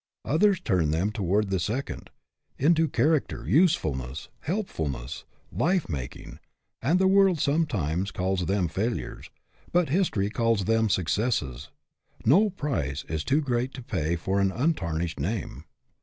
Others turn them toward the second into character, usefulness, helpfulness, life making and the world sometimes calls them failures; but history calls them successes. No price is too great to pay for an untarnished name.